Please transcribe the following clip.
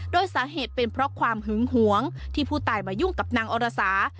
โดยสาเหตุเป็นเพราะความหึงหวงที่ผู้ตายมายุ่งกับนางอรสา